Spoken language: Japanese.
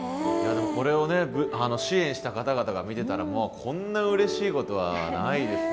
これをね支援した方々が見てたらこんなうれしいことはないですよ。